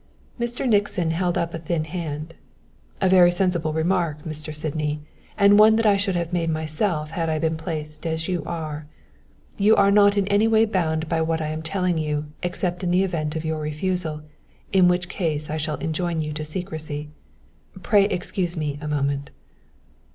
Mr. Nixon held up a thin hand. "A very sensible remark, Mr. Sydney, and one that I should have made myself had I been placed as you are. You are not in any way bound by what I am telling you except in the event of your refusal; in which case I shall enjoin you to secrecy. Pray excuse me a moment."